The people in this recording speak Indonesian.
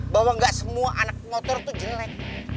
bahwa nggak semua anak motor tuh jelek